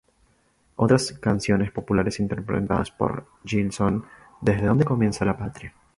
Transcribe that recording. Otras canciones populares interpretadas por Jil son "¿Desde dónde comienza la Patria?